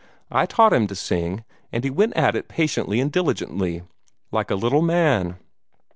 I taught him to sing, and he went at it patiently and diligently, like a little man.